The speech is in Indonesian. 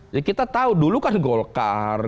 jadi kita tahu dulu kan golkar